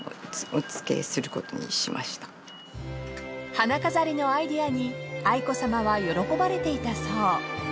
［花飾りのアイデアに愛子さまは喜ばれていたそう］